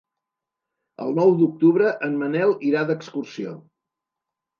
El nou d'octubre en Manel irà d'excursió.